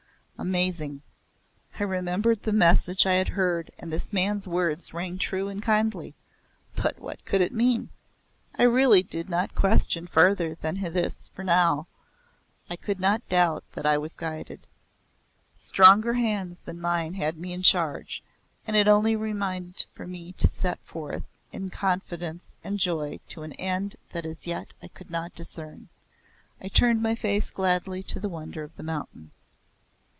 Amazing. I remembered the message I had heard and this man's words rang true and kindly, but what could it mean? I really did not question farther than this for now I could not doubt that I was guided. Stronger hands than mine had me in charge, and it only remained for me to set forth in confidence and joy to an end that as yet I could not discern. I turned my face gladly to the wonder of the mountains.